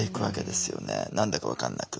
何だか分かんなく。